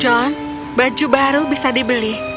john baju baru bisa dibeli